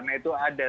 nah itu ada